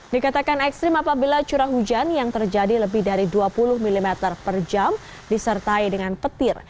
dikatakan ekstrim apabila curah hujan yang terjadi lebih dari dua puluh mm per jam disertai dengan petir